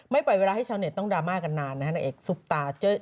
ไม่ปล่อยเวลาให้ชาวเน็ตต้องดราม่ากันนานนักเอกซุปตาเจ้ย